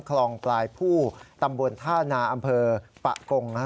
คลองปลายผู้ตำบลท่านาอำเภอปะกง